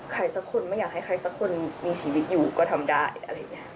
ใครสักคนไม่อยากให้ใครสักคนมีชีวิตอยู่ก็ทำได้